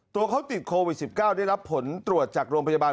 ตัวเขาติดโควิด๑๙ได้รับผลตรวจจากโรงพยาบาล